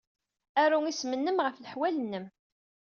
Aru isem-nnem ɣef leḥwal-nnem.